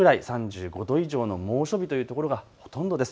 ３５度以上の猛暑日という所がほとんどです。